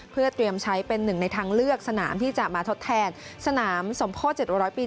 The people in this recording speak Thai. เพื่อเตรียมใช้เป็นหนึ่งในทางเลือกสนามที่จะมาทดแทนสนามสมโพธิ๗๐๐ปี